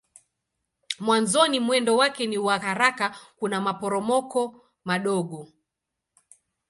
Mwanzoni mwendo wake ni wa haraka kuna maporomoko madogo.